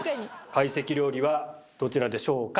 懐石料理はどちらでしょうか？